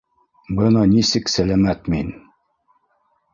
- Бына нисек сәләмәт мин!